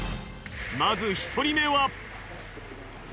まず１人目は。